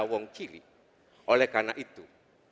jawa dan chile oleh karena itu